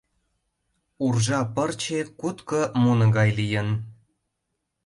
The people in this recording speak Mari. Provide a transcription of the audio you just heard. Уржа пырче кутко муно гай лийын.